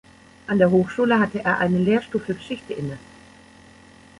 An der Hochschule hatte er einen Lehrstuhl für Geschichte inne.